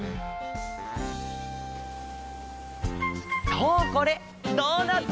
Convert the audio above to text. そうこれドーナツ！